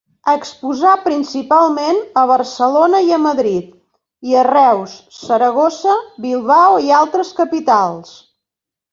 Exposà principalment a Barcelona i a Madrid, i a Reus, Saragossa, Bilbao, i altres capitals.